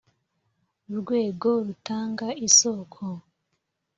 urwego rutanga isoko